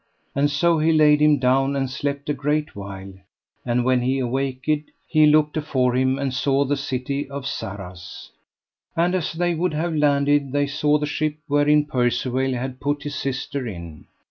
And so he laid him down and slept a great while; and when he awaked he looked afore him and saw the city of Sarras. And as they would have landed they saw the ship wherein Percivale had put his sister in.